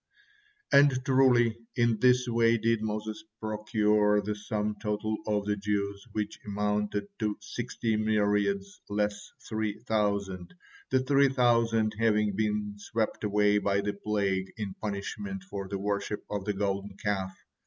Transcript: And truly in this way did Moses procure the sum total of the Jews, which amounted to sixty myriads less three thousand, the three thousand having been swept away by the plague in punishment for their worship of the Golden Calf.